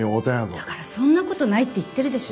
だからそんな事ないって言ってるでしょ。